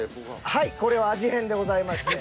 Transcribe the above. はいこれは味変でございまして。